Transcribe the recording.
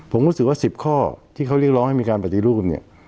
ผมรู้สึกว่า๑๐ข้อที่เขาเรียกร้องให้มีการปฏิรูปเนี่ย